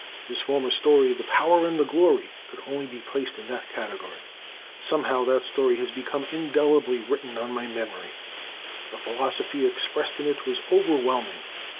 His former story, "The Power and the Glory," could also be placed in that category. Somehow, that story has become indelibly written on my memory. The philosophy expressed in it was overwhelming.